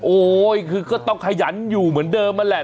คือก็ต้องขยันอยู่เหมือนเดิมนั่นแหละ